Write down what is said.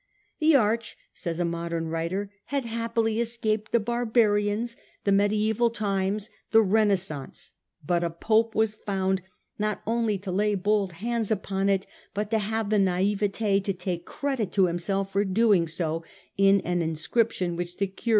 ' The arch/ says a modern writer, ' had happily escaped the barbarians, the mediaeval times, the Renaissance ; but a Pope was found not only to lay bold hands upon it, but to have the naivetd to take credit to himself for doing so in an inscription which the curious still may read upon the site.